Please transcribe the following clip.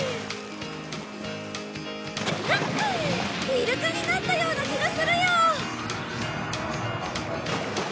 イルカになったような気がするよ！